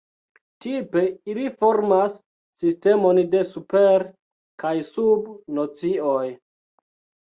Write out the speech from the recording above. Tipe ili formas sistemon de super- kaj sub-nocioj.